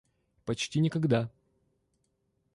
Почти никогда.